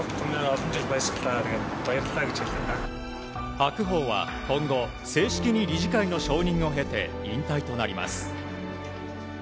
白鵬は、今後正式に理事会の承認を経て引退となります。